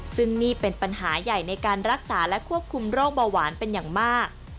ซึ่งนี่เป็นปัญหาใหญ่ในการรักษาและควบคุมโรคเบาหวานเป็นอย่างมาก